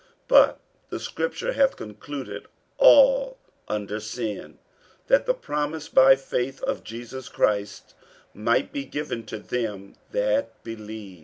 48:003:022 But the scripture hath concluded all under sin, that the promise by faith of Jesus Christ might be given to them that believe.